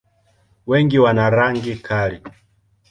Wengi wana rangi kali.